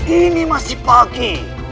ini masih pagi